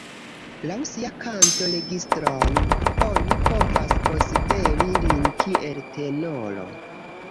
Laŭ sia kanto-registron, oni povas konsideri lin kiel tenoro.